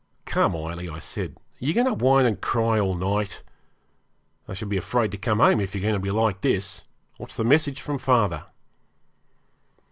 'Come, Ailie,' I said, 'are you going to whine and cry all night? I shall be afraid to come home if you're going to be like this. What's the message from father?'